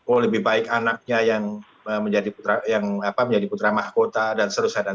oh lebih baik anaknya yang menjadi putra mahkota dan seterusnya